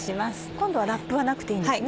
今度はラップはなくていいんですね。